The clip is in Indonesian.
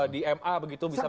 di ma begitu bisa